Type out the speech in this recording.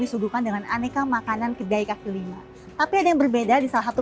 disuguhkan dengan aneka makanan kedai kaki lima tapi ada yang berbeda di salah satu